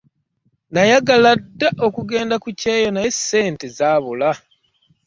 Nayagala dda okugenda ku kyeyo naye ssente zaabula.